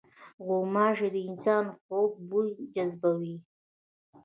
غوماشې د انسان خوږ بوی جذبوي.